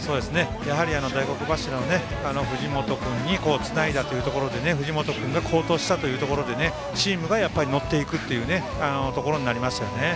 やはり大黒柱の藤本君につないだというところで藤本君が好投したというところでチームが乗っていくというところになりましたよね。